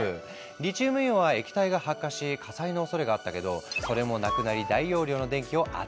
リチウムイオンは液体が発火し火災のおそれがあったけどそれもなくなり大容量の電気を扱えるんだって。